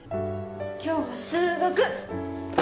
今日は数学。